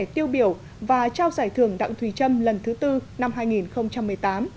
tiêu biểu và trao giải thưởng đặng thùy trâm lần thứ tư năm hai nghìn một mươi tám